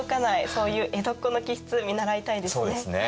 そういう江戸っ子の気質見習いたいですね。